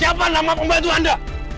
siapa nama pembantu anda